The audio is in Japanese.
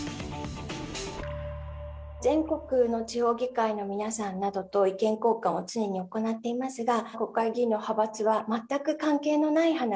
全国の地方議会の皆さんなどと意見交換を常に行っていますが、国会議員の派閥は全く関係のない話。